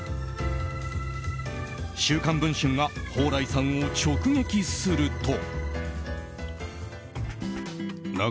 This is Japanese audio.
「週刊文春」が蓬莱さんを直撃すると。